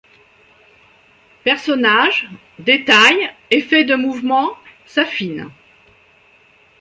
Personnages, détails, effets de mouvements s’affinent.